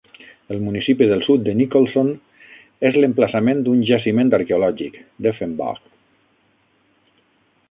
El municipi del sud de Nicholson és l'emplaçament d'un jaciment arqueològic, Deffenbaugh.